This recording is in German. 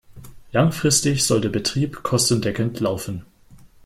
Langfristig soll der Betrieb kostendeckend laufen.